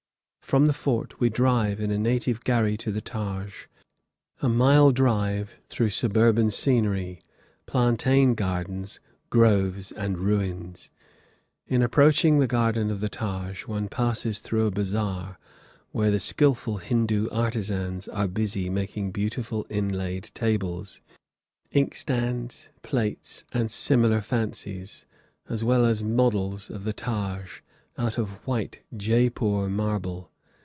From the fort we drive in a native gharri to the Taj, a mile drive through suburban scenery, plantain gardens, groves, and ruins. In approaching the garden of the Taj, one passes through a bazaar, where the skilful Hindoo artisans are busy making beautiful inlaid tables, inkstands, plates, and similar fancies, as well as models of the Taj, out of white Jeypore marble.